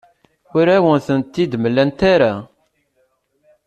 Ur awen-tent-id-mlant ara.